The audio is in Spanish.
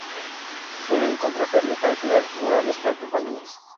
Suelen contratarle para crear murales para compañías.